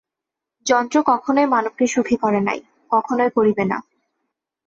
যন্ত্র কখনই মানবকে সুখী করে নাই, কখনই করিবে না।